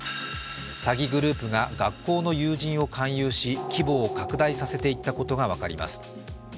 詐欺グループが学校の友人を勧誘し、規模を拡大させていったことが分かります。